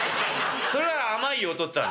それは甘いよお父っつぁん」。